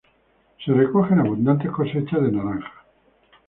Se recogen abundantes cosechas de naranjas.